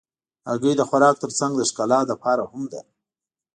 هګۍ د خوراک تر څنګ د ښکلا لپاره هم ده.